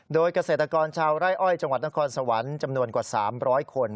โดยเกษตรกรชาวไร่อ้อยจังหวัดนครสวรรค์จำนวนกว่า๓๐๐คน